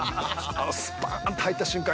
スパーンと入った瞬間